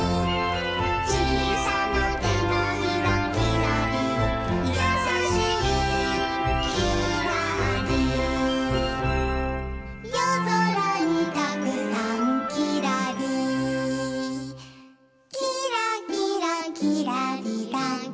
「ちいさな手のひらきらりやさしいきらり」「夜空にたくさんきらりきらきらきらりらきらりん」